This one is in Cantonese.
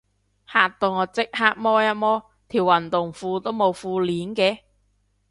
嚇到我即刻摸一摸，條運動褲都冇褲鏈嘅